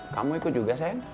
kamu ikut juga sayang